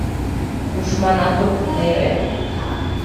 Тушманат ок нере.